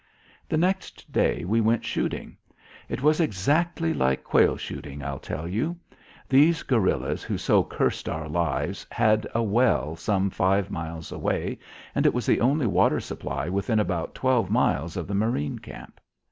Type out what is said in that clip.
The next day we went shooting. It was exactly like quail shooting. I'll tell you. These guerillas who so cursed our lives had a well some five miles away, and it was the only water supply within about twelve miles of the marine camp.